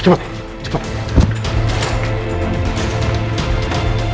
itu harus diam diamidal